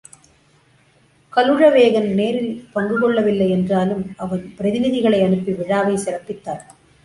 கலுழவேகன் நேரில் பங்கு கொள்ளவில்லை என்றாலும் அவன் பிரதிநிதிகளை அனுப்பி விழாவைச் சிறப்பித்தான்.